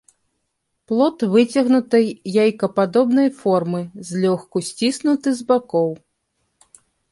Плод выцягнутай яйкападобнай формы, злёгку сціснуты з бакоў.